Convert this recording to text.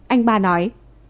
anh ba nói